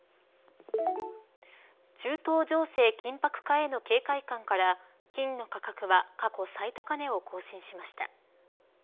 中東情勢緊迫化への警戒感から金の価格は過去最高値を更新しました。